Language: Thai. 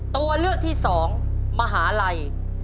ตัวเลือกที่๒มหาลัย